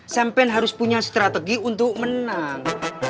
sempen harus punya strategi untuk menang